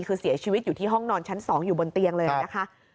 คือเสียชีวิตอยู่ที่ห้องนอนชั้น๒อยู่บนเตียงเลยนะคะ